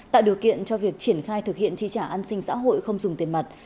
tạo điều kiện cho việc triển khai thực hiện chi trả an sinh xã hội không dùng tiền mặt